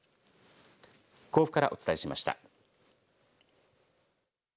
甲府からお伝えしました。